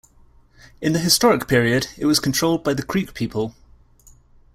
In the historic period, it was controlled by the Creek people.